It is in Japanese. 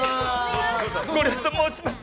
ゴリエと申します。